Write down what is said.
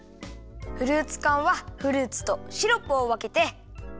フルーツかんはフルーツとシロップをわけて。